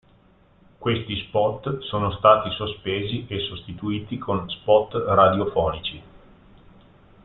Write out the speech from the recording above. Questi spot sono stati sospesi e sostituiti con spot radiofonici.